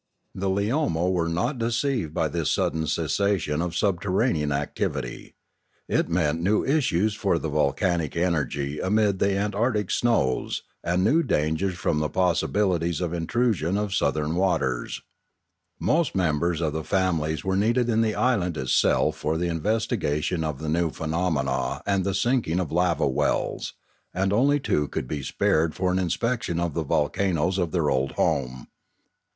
The Leomo were not deceived by this sudden cessa tion of subterranean activity. It meant new issues for the volcanic energy amid the antarctic snows, and new dangers from the possible intrusion of southern waters. Most members of the families were needed in the island itself for the investigation of the new phenomena and 696 Limanora the sinking of lava wells, and only two could be spared for an inspection of the volcanoes of their old home.